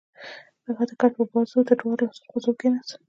هغه د کټ پر بازو د دواړو لاسونو په زور کېناست.